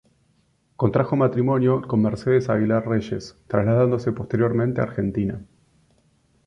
Contrajo matrimonio con Mercedes Aguilar Reyes, trasladándose posteriormente a Argentina.